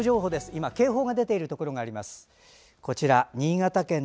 今、警報が出ているところがあります。